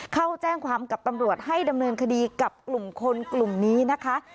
เข้าแจ้งความกับตำรวจให้ดำเนินคดีกับกลุ่มคนกลุ่มนี้นะคะ